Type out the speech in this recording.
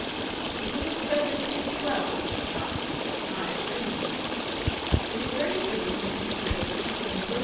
'Don't the little beggars take it well!' said Scott. 'I trained 'em.' They were very busy and interested, when, lo!